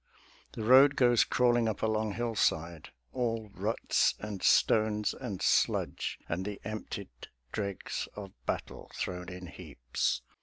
The road goes crawling up a long hillside, All ruts and stones and sludge, and the emptied dregs Of battle thrown in heaps.